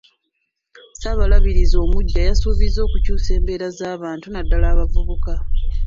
Ssaabalabirizi omuggya yasuubizza okukyusa embeera z’abantu naddala abavubuka.